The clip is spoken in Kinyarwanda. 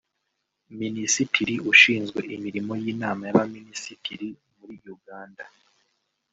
Minisitiri ushinzwe imirimo y’Inama y’Abaminisitiri muri Uganda